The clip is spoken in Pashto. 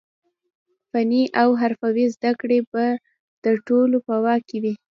فني او حرفوي زده کړې به د ټولو په واک کې وي.